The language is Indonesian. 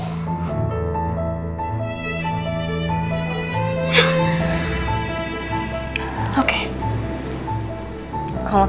sekarang kamu bilang kamu gak jadi pergi